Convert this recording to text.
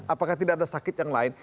apakah tidak ada sakit yang lain